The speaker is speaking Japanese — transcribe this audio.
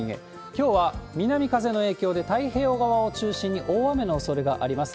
きょうは南風の影響で、太平洋側を中心に大雨のおそれがあります。